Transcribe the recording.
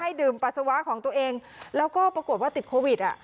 ดื่มปัสสาวะของตัวเองแล้วก็ปรากฏว่าติดโควิดอ่ะ